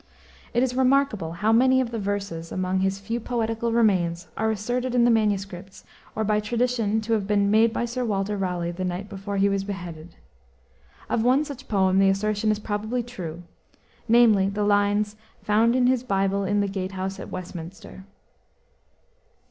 It is remarkable how many of the verses among his few poetical remains are asserted in the MSS. or by tradition to have been "made by Sir Walter Raleigh the night before he was beheaded." Of one such poem the assertion is probably true, namely, the lines "found in his Bible in the gate house at Westminster."